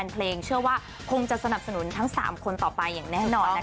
เพลงเชื่อว่าคงจะสนับสนุนทั้ง๓คนต่อไปอย่างแน่นอนนะคะ